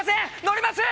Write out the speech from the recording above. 乗ります！